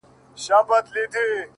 خو دې به سمعې څو دانې بلــــي كړې،